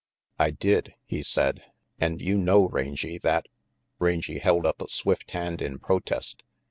"I did," he said, "and you know, Rangy, that Rangy held up a swift hand in protest.